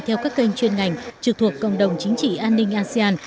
theo các kênh chuyên ngành trực thuộc cộng đồng chính trị an ninh asean